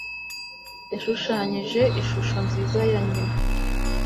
Yashushanyije ishusho nziza ya nyina.